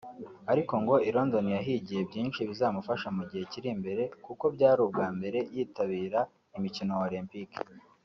ariko ngo i London yahigiye byinshi bizamufasha mu gihe kiri imbere kuko byari ubwa mbere yitabira imikino Olympique